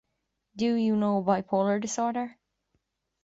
Do you know Bipolar disorder?